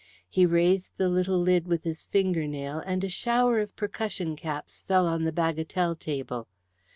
He raised the little lid with his finger nail, and a shower of percussion caps fell on the bagatelle table.